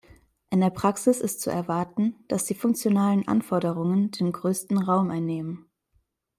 In der Praxis ist zu erwarten, dass die funktionalen Anforderungen den größten Raum einnehmen.